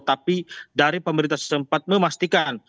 tapi dari pemerintah setempat memastikan